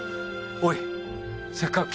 おいせっかく来たのだ。